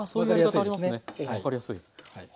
分かりやすい。